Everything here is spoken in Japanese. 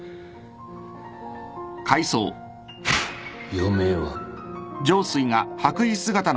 余命は？